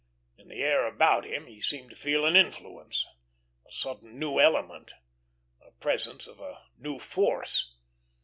In the air about him he seemed to feel an influence, a sudden new element, the presence of a new force.